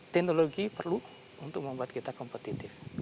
teknologi perlu untuk membuat kita kompetitif